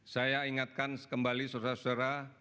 saya ingatkan kembali saudara saudara